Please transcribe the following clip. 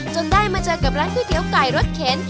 จนได้มาเจอกับร้านไก่รสเข็น